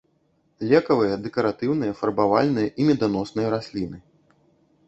Лекавыя, дэкаратыўныя, фарбавальныя і меданосныя расліны.